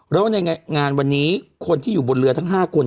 แล้วในงานวันนี้คนที่อยู่บนเรือทั้ง๕คน